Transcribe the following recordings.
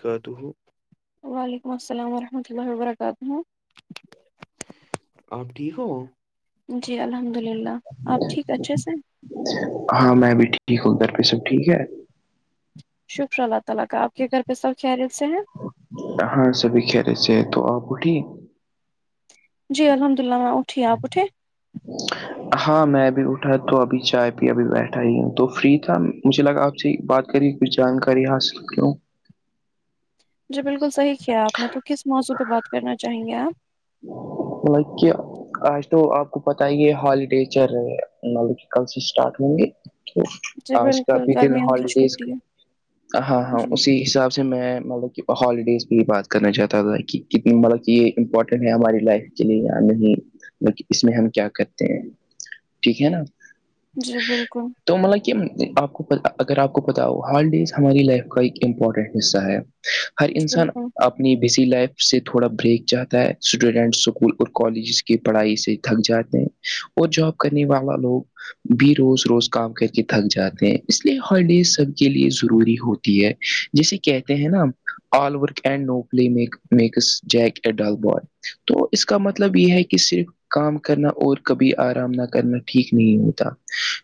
کا تو وعلیکم السلام ورحمۃ اللہ و برکاتہ آپ ٹھیک ہو جی الحمد للہ آپ ٹھیک اچھے سے ہیں ہاں میں بھی ٹھیک ہ ادھر پ سب ٹھیک ہے شکر اللہ تعالی کا آپ کے گھر پہ سب خر سے ہیں ہاں س بھی ک ر س تو آ بٹھی جی الحمد اللہ میں اٹھی آپ اٹھیں ہ [inaudible] ہاں میں ابھی اٹھا تو ابھی چائے پ ا بھی بیٹھا ہی ہوں تو فری تھا مجھے لگا آپ سے بات کری کچھ جانکاری حاصل کیوں جی بالکل صحیح کیا آپ نے تو کس موضوع پہ بات کرنا چاہیں گے آپ ال کیا آج تو آپ کو پت ہی یہ ہالیڈی چر مل کہ کل سے اسٹارٹ ہوں گے جی آج کا بالکل بھی دن گرمیوں کی ہالیڈیز چھٹی ہے ہاں ہاں جی اسی حساب سے میں مطلب کہ ہالیڈیز کی بات کرنا چاہتا تھا کہ کتنی مطلب کہ یہ امپورٹنٹ ہماری لائف کے لیے یا نہیں اس میں ہم کیا کرتے ہیں ٹھیک ہے نا جی بالکل تو مل کہ آپ کو اگر آپ کو پتا ہو ہالیڈیز ہماری لائف کا ایک امپورٹنٹ حصہ ہے ہر جی انسان بالکل اپنی بزی لائف سے تھوڑا بریک چاہتا ہے اسٹوڈینٹ اسکول اور کالجز کی پڑھائی سے تھک جاتے ہیں اور جاب کرنے والا لوگ بھی روز روز کام کر کے تھک جاتے ہیں اس لیے ہالیڈیز سب کے لیے ضروری ہوتی ہے جسے کہتے ہیں نا all work and no play make Jack a dull boy تو اس کا مطلب یہ ہے کہ صرف کام کرنا اور کبھی آرام نہ کرنا ٹھیک نہیں ہوتا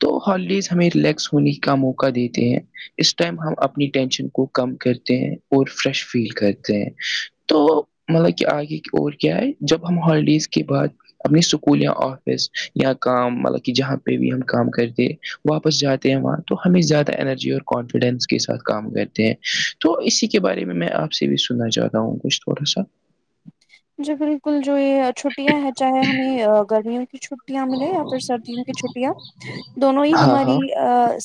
تو ہالیڈیز ہمیں ریلیکس سنی کا موقع دیتے ہیں اس ٹائم ہم اپنی ٹینشن کو کم کرتے ہیں اور فریش فیل کرتے ہیں تو مطلب کہ آگے کی اور کیا ہے جب ہم ہالیڈیز کے بعد اپنی اسکول یا آفس یا کام مطلب کہ جہاں پہ بھی ہم کام کرتے واپس جاتے ہیں وہاں تو ہمیں زیادہ انرجی اور کانفیڈینس کے ساتھ کام کرتے ہیں تو اسی کے بارے میں میں آپ سے بھی سننا چاہتا ہوں کچھ تھوڑا سا جی بالکل جو یہ چھٹیاں ہیں چاہے ہمیں گرمیوں کی چ چھٹیاں ملے یا پھر سردیوں کی چھٹیاں دونوں ہی ہاں ہماری ہاں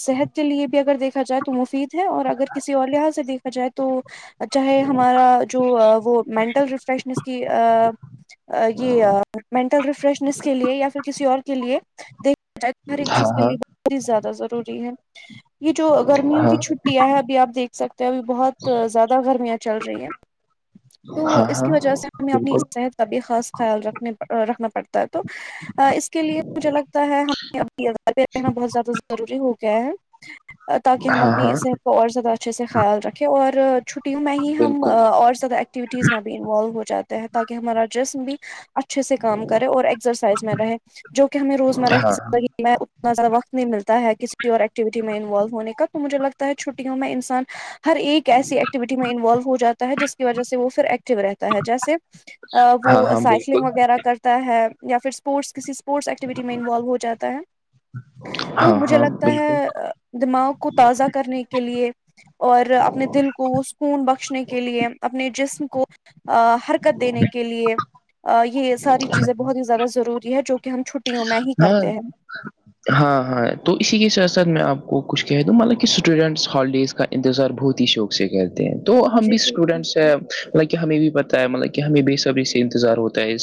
صحت کے لیے بھی اگر دیکھا جائے تو مفید ہے اور اگر کسی اور لحظ سے دیکھا جائے تو چاہے ہمارا جو وہ مینٹل ریفریشنس کی یہ مینٹل ریفریشنس کے لیے یا پھر کسی اور کے لیے دیک ہر ایک ہاں چیز کے لیے بہت ہی زیادہ ضروری ہے یہ جو گرمیوں کی ہاں چھ ہے اب آپیکھ سکتے اب بہت زیادہ گرمیاں چل رہی ہیں تو ہاں ہاں اس ہاں کی وجہ سے ہمیں اپنی بالکل صحت کا بھی خاص خیال رکھنے رکھنا پڑتا ہے تو اس کے لیے مجھے لگتا ہے ہمیں ابھی رہنا بہت زیادہ ضروری ہو گیا ہے تاکہ ہم ہاں اپنی ہاں صحت کو اور زیادہ اچھے سے خیال رکھیں اور چھٹیوں میں ہی ہم بالکل اور زیادہ ایکٹیوٹیز میں بھی انوالو ہو جاتے تاکہ ہمارا ڈریس بھی اچھا اچھے سے کام کرے اور ایکسرسائز میں رہے جو کہ ہمیں روزمرہ ہاں کی ہاں زگی میں اتنا زیادہ وقت نہیں ملتا ہے کسی اور ایکٹیوٹی میں انوالو ہونے کا تو مجھے لگتا ہے چھٹیوں میں انسان ہر ایک ایسی ایکٹیویٹی میں انوالو ہو جاتا ہے جس کی وجہ سے وہ پھر ایکٹو رہتا ہے جیسے وہ ہاں ہاں بالکل سائیکلنگ وغیرہ کرتا ہے یا پھر اسپورٹس کسی اسپورٹس ایکٹیویٹی میں انوالو ہو جاتا ہے ہاں تو مجھے ہاں لگتا بالکل ہے دماغ کو تازہ کرنے کی کے لیے اور اپنے دل کو سکون بخشنے کے لیے اپنے جسم کو حرکت دینے کے لیے یہ ساری ہاں چیزیں بہت ہی زیادہ ضروری ہے جو کہ ہم چھ ہاں ہاں ہاں تو اسی کے ساتھ ساتھ میں آپ کو کچھ کہہ دوں مطالانہ اسٹوڈینٹس ہالیڈیز کا انتظار بہت ہی شوق سے کہتے ہیں تو ہم بھی جی اسٹوڈینٹس بالکل ہیں مطلب کہ ہمیں بھی پتہ ہے مطلب کہ ہمیں بے صبری سے انتظار ہوتا ہے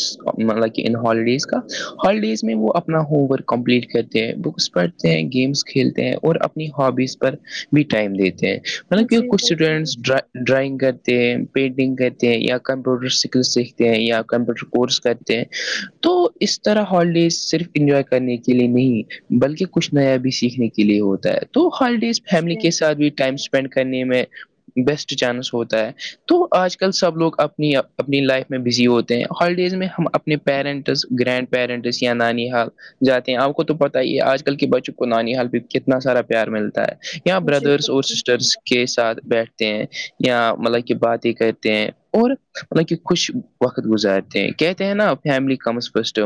مطلب کہ ان ہالیڈیز کا ہالیڈیز میں وہ اپنا ہوم ورک کمپلیٹ کرتے ہیں بکس پڑھتے ہیں گیمس کھیلتے ہیں اور اپنی ہابیز بھی ٹائم دیتے ہیں مطلب کہ جی کچھ بالکل اسٹوڈینٹس ڈر ڈرائنگ کرتے ہیں پینٹنگ کرتے ہیں یا کمپیوٹر سکل سیکھتے ہیں یا کمپیوٹر کورس کرتے ہیں تو اس طرح ہالیڈیز صرف انجوائے کرنے کے لیے نہیں بلکہ کچھ نیا بھی سیکھنے کے لیے ہوتا ہے تو ہالیڈیز میں فیملی جی کے ساتھ بھی ٹائم اسپینڈ کرنے میں بیسٹ چانس ہوتا ہے تو آج کل سب لوگ اپنی اپنی لائف میں بزی ہوتے ہیں ہالیڈیز میں ہم اپنے پیرنٹس گرینڈ پیرنٹس یا نانی حال جاتے ہیں آپ کو تو پتا ہی ہے آج کل کے بچوں کو نانی حال بھی کتنا سارا پیار ملتا ہے یا جی بردرس اور بالکل سسٹرس کے ساتھ بیٹھتے ہیں یا مطلب کہ باتیں کرتے ہیں اور کہ خوش وقت گزارتے ہیں کہتے ہیں نا فیملی کمز فسٹ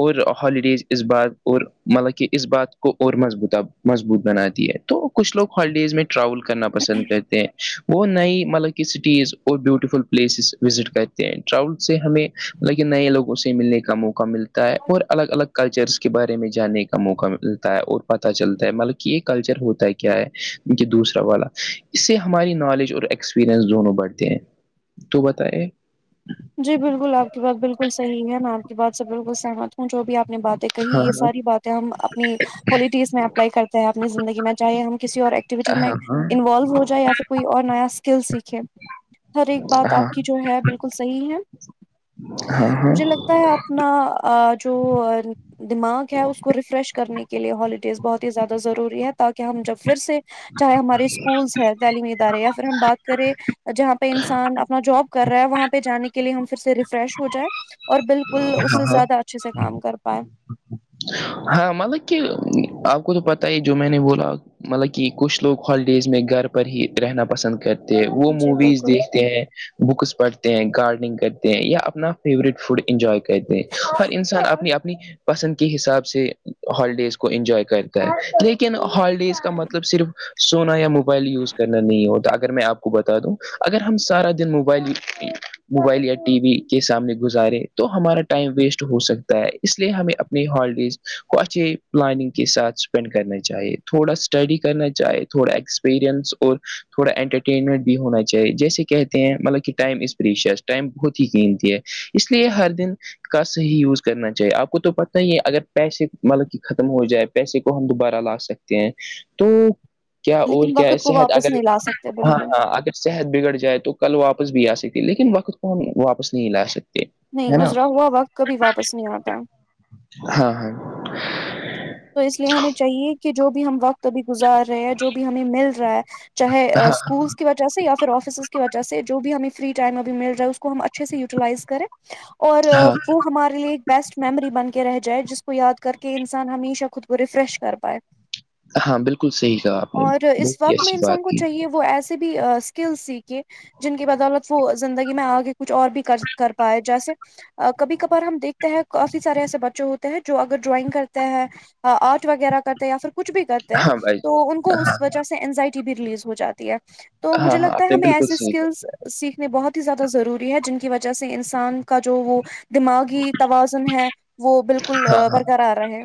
اور ہالیڈیز اس بات اور مطلب کہ اس بات کو اور مضبوطہ مضبوط بنااتی ہے تو کچھ لوگ ہالیڈیز میں ٹراول کرنا پسند کرتے ہیں وہ نئی مطلب کہ سٹیز اور بیوٹیفل پلیسز وزٹ کرتے ہیں ٹراول سے ہمیں لیکن نئے لوگوں سے ملنے کا موقع ملتا ہے اور الگ الگ کلچرس کے بارے میں جاننے کا موقع ملتا ہے اور پتا چلتا ہے مطلب کہ یہ کلچر ہوتا ہے کیا ہے کہ دوسرا والا اس سے ہماری نالج اور ایکسپریئنس دونوں بڑھتے ہیں تو بتے جی بالکل آپ کی بات بالکل صح ہے میں آپ کی بات سے بالکل سہمت ہوں جو بھی آپ اپنی باتیں کہی ہاں یہ ہاں ساری باتیں ہم اپنی پالٹیز میں اپلائی کرتے ہیں اپنی زندگی میں چاہے ہم کسی اور ایکو میں ہاں انوالو ہو جائے یا پھر کوئی اور نیا اسکل سیکھے ہر ایک ہاں بات آپ کی ہاں جو ہے بالکل صحیح ہے ہاں مجھے لگتا ہوتا ہے اپنا جو دماغ ہے اس کو ریفریش کرنے کے لیے ہالیڈیز بہت ہی زیادہ ضروری ہے تاکہ ہم جب پھر سے چاہے ہمارے اسکولس ہیں تعلیمی ادارے یا پھر ہم بات کریں جہاں پہ انسان اپنا جاب کر رہا ہے وہاں پہ پہ جانے کے لیے ہمھر سے ریفریش ہو جائے اور بالکل اس سے ہاں زیادہ اچھے سے کام کر پائے ہاں مطلب کہ آپ کو تو پت ہی جو میں نے بولا مطلب کہ کچھ لوگ ہالیڈیز میں گھر پر ہی رہنا پسند کرتے وہ جی موویز بالکل دیکھتے ہیں بکس پڑھتے ہیں گارڈننگ کرتے ہیں یا اپنا فیوریٹ فوڈ انجوائے کرتے ہیں ہر انسان اپنی اپنی پسند کی حساب سے ہالیڈیز کو انجوائے کرتا ہے لیکن ہالیڈیز کا مطلب صرف سونا یا موبائل یوز کرنا نہیں ہوتا اگر میں آپ کو بتا دوں اگر ہم سارا دن موبائل موبائل یا ٹی وی کے سامنے گزارے تو ہمارا ٹائم ویسٹ ہو سکتا ہے اس لیے ہمیں اپنی ہالیڈیز کو اچھی پلاننگ کے ساتھ اسپینڈ کرنا چاہیے تھوڑا اسٹڈی کرنا چاہیے تھوڑا ایکسپیرئنس اور تھوڑا انٹرٹینمنٹ بھی ہونا چاہیے جیسے کہتے ہیں مطلب کہ ٹائم از پریش ٹائم بہت ہیقنتی ہے اس لیے ہر دن کا صحیح یوز کرنا چاہیے آپ کو تو پتہ ہی ہے اگر پیسے مطلب کہ ختم ہو جائے پیسے کو ہم دوبارہ لا سکتے ہیں تو کیا اور لیکن کیا وقت کو صحت واپس اگر نہیں لا سکتے ہاں بالکل ہاں اگر صحت بگڑ جائے تو کل واپس بھی آ سکتی لیکن وقت کو ہم واپس نہیں لا سکتے نہیں ہے نا گزرا ہوا وقت کبھی واپس نہیں آتا ہاں ہاں تو اس لیے ہمیں چاہیے کہ جو بھی ہم وقت تو بھی گزار رہے ہیں جو بھی ہمیں مل رہا ہے چاہے ہاں اسکولس کی وجہ سے یا پھر آفسز کی وجہ سے جو بھی ہمیں فری ٹائم اب مل جائے اس کو ہم اچھے سے یٹیلائز کریں [inaudible] اور وہ ہمارے لیے ایک بیسٹ میمری بن کے رہ جائے جس کو یاد کر کے انسان ہمیشہ خود کو ریفریش کر پائے ہاں، بالکل صحیح کہا آپ نے اور بہت اس ہی وقت میں اچھی بات انسان کو کی چاہیے وہ وہ ایسسی بھی اسکل سیکھے جن کی بدولت وہ زندگی میں آگے کچھ اور بھی کر پائے جیسے کبھی کبھار ہم دیکھتے ہیں کافی سارے ایسے بچے ہوتے ہیں جو اگر ڈرائنگ کرتے ہیں آرٹ وغیرہ کرتے ہیں یا پھر کچھ بھی کرتے ہیں ہاں بھائی تو ان کو ہاں اس وجہ سے انینزائٹی بھی ریلیز ہو جاتی ہے تو مجھے ہاں ہاں، لگتا آپ ہے نے ہمیں بالکل ایسے صحیح کہا اسکلس سیکھنے بہت ہی زیادہ ضروری ہے جن کی وجہ سے انسان کا جو وہ دماغی توازن ہے وہ بالکل ہاں ہاں برقرار رہے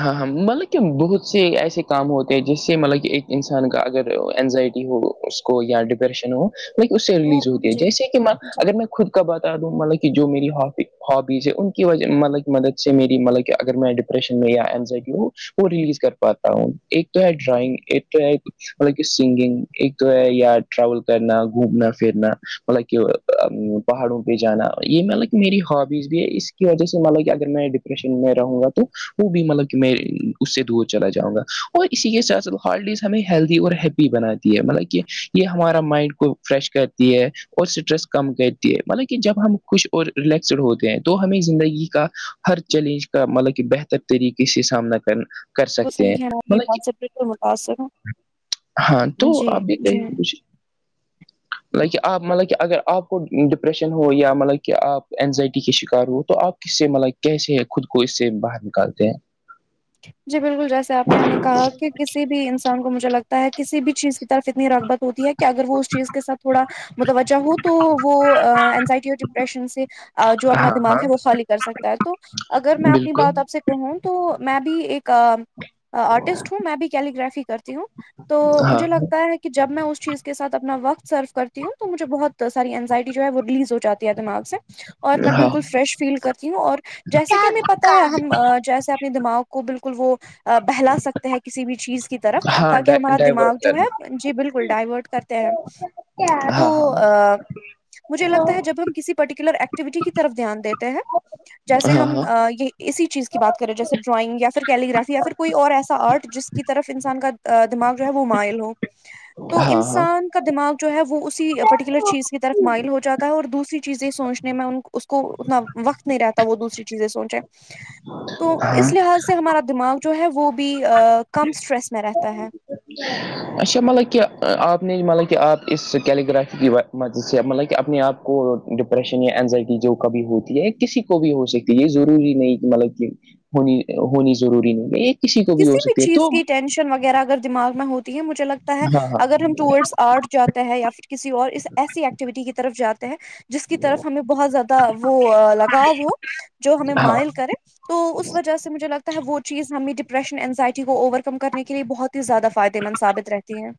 ہاں ہاں مطلب کہ بہت سے ایسے کام ہوتے ہیں جس سے مطلب کہ ایک انسان کا اگر انینزائٹی ہو اس کو یا ڈپریشن ہو اس سے تو ریلیز ہوتی ہے جیسے کہاں جی اگر میں خود بتا دوں مطلب کہ جو میری ہابی ہابیز ہے ان کی وجہ مطلب کی مدد سے میری مطلب کہ اگر میں رین میں یا اینزائٹی ہو وہ ریلیز کر پاتا ہوں ایک تو ہے ڈرائنگ ایک تو ہے مل کہ سنگنگ ایک تو یا رول کرنا گھومنا فھرنا مل کہ پہاڑوں پہ جانا یہ مطلب میری ہابیز بھی ہے اس کی وجہ سے مطلب اگر میں کشن میں رہوں گا تو وہ بھی مطلب کہ میں اس سے دور چلا جاں گا اور اسی کے ساتھ ساتھ ہار ڈیز ہمیں ہیلدی اور ہیی بناتی ہے مطلب کہ یہ ہمارا مائنڈ کو فریش کرتی ہے اور اسٹریس کم کرتی ہے مطلب کہ جب ہم خوش اور ریلیکسڈ ہوتے ہیں تو ہمیں زندگی کا ہر چیلنج کا مطلب کہ بہتر طریقے سے سامنا کرنا تو صحیح ہے وہ یہ بات سے بالکل متاثر ہوں ہاں تو جی آپ بھی کہی جی کھ ل کہ آپ مطلب کہ اگر آپ کو ڈپریشن ہو یا مطلب کہ آپ اینزائٹی کے شکار ہو تو آپ اس سے مطلب کیسے ہے خود کو اس سے باہر نکالتے ہیں جی بالکل جیسے آپ نے ہمیں کہا کہ کسی بھی انسان کو مجھے لگتا ہے کسی بھی چیز کی طرف اتنی رغبت ہوتی ہے کہ کہ اگر وہ اس چیز کے ساتھ تھوڑا متوجہ ہو تو وہ اینزائٹی اور ڈپریشن سے جو اپنا ہاں دماغ ہاں ہے وہ خالی کر سکتا ہے تو اگر میں اپنی بالکل بات آپ سے ہوں تو میں بھی ایک آرٹسٹ ہوں میں بھی کیلیرافی کرتی ہوں تو ہاں مجھے لگتا ہے کہ کہ جب میں اس چیز کے ساتھ اپنا وقت سرو کرتی ہوں تو مجھے بہت ساری اینزائٹی جو ہے وہ ریلیز ہو جاتی ہے دماغ سے اور میں ہاں بالکل فریش فیل کرتی ہوں اور جیسا کہ ہمیں ٹرک پتہ کا ہے ہم جیس اپنے دماغ کو بالکل وہ بہلا سکتے ہیں کسی بھی چیز کی طرف ہاں تاکہ ہمارا دماغ ڈائیورٹ جو کرنا ہے جی بالکل ڈائیورٹ کرتے ہیں ہاں تو ہاں ا مجھے ہاں لگتا ہے جب ہم کسی پرٹیکولر ایکٹیوٹی کی طرف دھیان دیتے ہیں جیسے ہم ہاں اسی چیز کی بات کر کریں جیسے ڈرائنگ یاھر کیلی گرافی یا پھر کوئی اور ایسا آرٹ جس کی طرف انسان کا دماغ جو ہے وہ مائل ہو [unintelligible] تو ہاں انسان دماغ جو ہے وہ اسی پررٹیکولر چیز کی طرف مائل ہو جا ہے اور دوسری چیزیں سوچنے میں ان کو اس کو اتنا وقت نہیں رہتا وہ دوسری چیزیں سوچیں [unintelligible] تو اس ہاں لحاظ سے ہمارا دماغ جو ہے وہ بھی کم اسٹریس میں رہتا ہے اچھا مطلب کہ آپ نے مطلب کہ آپ اس کیلی گگرفی م سے مطلب کہ اپنے آپ کو ڈپریشن یا انینزائٹی جو کبھی ہوتی ہے کسی کو بھی ہو سکتی یہ ضروری نہیں کہ مطلب کہ ہونی ہونی ضروری نہیں ہے یہ کسی کو بھی ہو سکتی ہے چیز تو کی ٹینشن وغیرہ اگر دماغ میں ہوتی ہے مجھے لگتا ہے ہاں اگر ہم ٹور آرٹ جاتے ہے یا پھر کسی اور اس ایسی ایکٹیویٹی کی طرف جاتے ہیں جس کی طرف ہمیں بہت زیادہ وہ لگاؤ ہو جو ہمیں ہاں ہاں مائل کرے تو اس وجہ سے مجھے لگتا ہے وہ چیز ہمیں ڈپریشن انینزائٹی کو اوور کم کرنے کے لیے بہت ہی زیادہ فائدے مند ثابت رہتی ہیں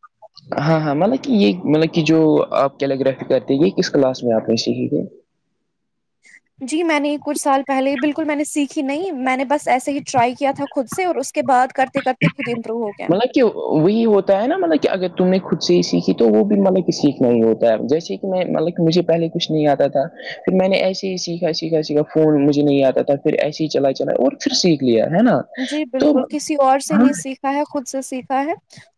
ہاں ہاں مطلب کہ یہ مطلب کہ جو آپ کیلیگرافی کرتے کس کلاس میں آپ نے سیکھی تھے جی میں نے کچھ سال پہلے بالکل میں نے سیکھی نہیں میں نے بس ایسے ہی ٹرائی کیا تھا خود سے اور اس کے بعد کرتے کرتے خود امپرو ہو گیا مطلب وہی ہوتا ہے نا مطلب کہ اگر تم نے خود سے ہی سیکھی تو وہ بھی مطلب کہ سیکھنا ہی ہوتا ہے جیسے کہ میں مطلب مجھے پہلے کچھ نہیں آتا تھا پھر میں نے ایسے ہی سیکھا سیکھا سیکھا فون مجھے نہیں آتا تھا پھر ایسے ہی چلائی چلائی اور پھر سیکھ لیا ہے نا جی تو بالکل کسی اور سے ہاں نہیں سیکھا ہے خود سے سیکھا ہے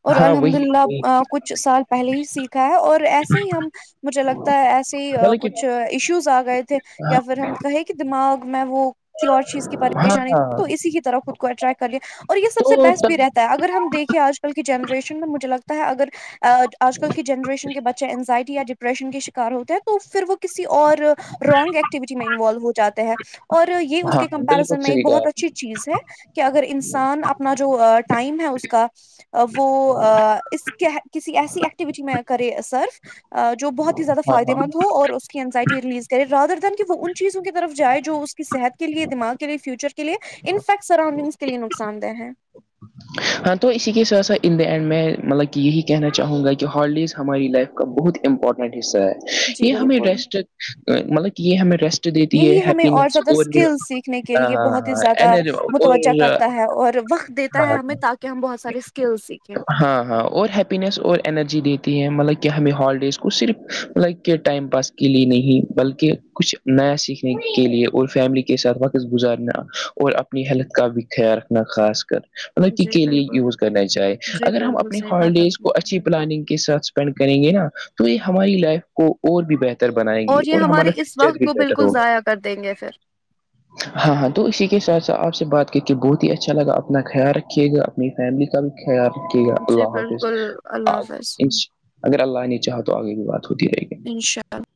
اور ہاں وہی الحمد وہی اللہ کچھ سال پہلے ہی سیکھا ہے اور ایسے ہی ہم مجھے لگتا ہے ایسے مطلب کہ کچھ ایشوز آ گئے تھے یا پھر ہم کہیں دماغ میں وہ کسی اور چیز کی ہاں پریشانی تھی ہاں تو اسی کی طرف خ کو اٹریکٹ کر لیا اور یہ سب تو سے بیسٹ بھی تب رہتا ہے اگر ہم دیکیں آج کل کی جنریشن میں مجھے لگتا ہے اگر آج کل کی جنریشن کے بچے اینزائٹی یا ڈپریشن کے شکار ہوتے ہیں تو پھر وہ کسی اور رانگ ایکٹیویٹی میں انوالو ہو جاتے ہیں اور اور یہ اس ہاں کے ہاں کمپریزن بالکل میں ایک صحیح کہا بہت آپ اچھی چیز ہے کہ اگر انسان اپنا جو ٹائم ہے اس کا وہ اس کسی ایسی ایکٹیوٹی میں کرے سرو جو بہت ہی زیادہ نے ہاں فائدے ہاں مند ہو اور انینزائٹی ریلیز کرے رادر دن کہ وہ ان چیزوں کی طرف جائے جو اس کی صحت کے لیے دماغ کے لیے فیوچر کے لی ان سرؤنڈنگس کےے نقصان دہ ہیں ہاں تو اسی کے ساتھ سھ ان دا اینڈ میں مطلب کہ یہی کہنا چاہوں گا کہ ہالیڈیز ہماری لائف کا بہت امپورٹنٹ حصہ ہے جی یہ ہمیں بالکل ریسٹ مطلب کہ یہ ہمیں ریسٹ دیتی ہے یہی ہمیں ہیس زیادہ اور اسکل سیکھنے کے ہ لیے بہت ہی ہاں زیادہ ہ ہاں متوجہ اور ہاں ہاں کہ ہم بہت سارےکلس سیکھے ہاں ہاں اور ہیپینیس اور انرجی دیتی ہے مطلب کہ ہمیں ہالیڈیز کو صرف مطلب کہ ٹائم پاس کے لیے نہیں بلکہ کچھ نیا سیکھنے کے لیے اور فیملی کے ساتھ وقت گزارنا اور اپنے اپنی ہیلتھ کا بھی خیال رکھنا خاص کر م جی کے لیے بالکل یوز کرنا چاہے جی اگر ہم بالکل اپنی صحیح بات آپ ہالیڈیز نے کو اچھی پلاننگ کے ساتھ اسپینڈ کریں گے نا تو یہ ہماری لائف کو اور بھی بہتر ر بنائے گی یہ اور ہمارے ہمارا اس سچت وقت بھی کو بیہٹر بالکل ہوگا ضائع کر دیں گے پھر ہاں ہاں تو اسی کے سھ ساتھ آپ سے بات کر کے بہت ہی اچھا لگا اپنا خیال رکھیے گا اپنی فیملی کا بھی ارک ہے جی اللہ حافظ بالکل انا اللہ حافظ اگر اللہ نے چاہا تو آگے کی بات ہوتی رہے گی ت